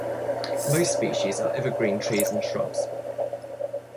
Most species are evergreen trees and shrubs.